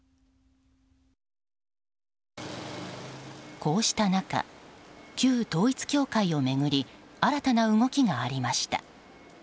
こうした中、旧統一教会を巡り新たな動きがありました。